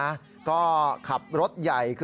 และขับรถใหญ่